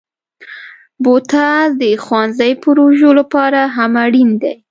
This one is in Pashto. بوتل د ښوونځي پروژو لپاره هم اړین دی.